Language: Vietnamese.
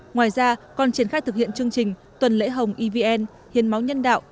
ngoài ra còn triển khai thực hiện chương trình tuần lễ hồng evn hiến máu nhân đạo